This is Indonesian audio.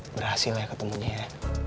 berhasil ya ketemunya ya